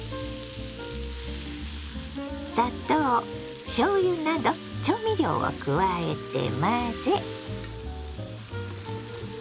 砂糖しょうゆなど調味料を加えて混ぜ。